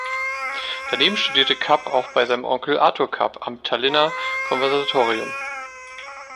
Daneben studierte Kapp auch bei seinem Onkel Artur Kapp am Tallinner Konservatorium.